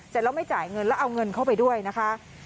เสร็จแล้วไม่จ่ายเงินแล้วเอาเงินเข้าไปด้วยนะคะ